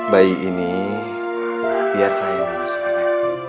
bayi ini biar saya yang mengasuhnya